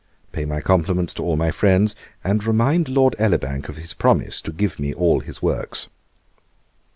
Pay my compliments to all my friends, and remind Lord Elibank of his promise to give me all his works.